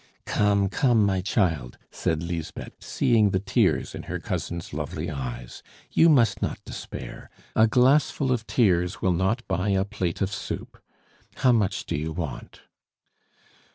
"Come, come, my child," said Lisbeth, seeing the tears in her cousin's lovely eyes, "you must not despair. A glassful of tears will not buy a plate of soup. How much do you want?"